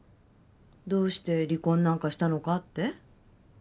どうして離婚なんかしたのかって？